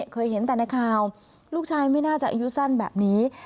เคยเห็นแต่ในข่าวลูกชายไม่น่าจะอายุสั้นแบบนี้